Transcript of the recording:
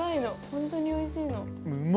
ホントに美味しいの。